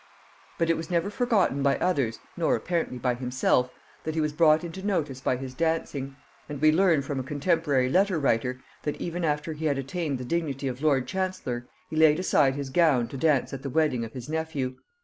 But it was never forgotten by others, nor apparently by himself, that he was brought into notice by his dancing; and we learn from a contemporary letter writer, that even after he had attained the dignity of lord chancellor he laid aside his gown to dance at the wedding of his nephew.